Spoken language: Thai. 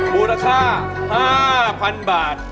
มูลค่า๕๐๐๐บาท